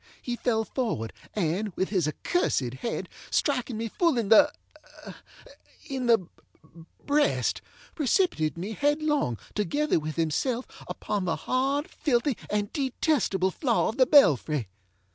He fell forward, and, with his accursed head, striking me full in theŌĆöin the breast, precipitated me headlong, together with himself, upon the hard, filthy, and detestable floor of the belfry.